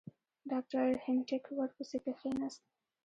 ډاکټر هینټیګ ورپسې کښېنست.